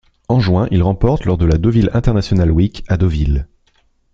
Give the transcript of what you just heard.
En juin, il remporte la lors de la Deauville International Week à Deauville.